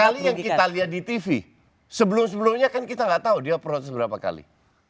sekali yang kita lihat di tv sebelum sebelumnya kan kita nggak tahu dia proses berapa kali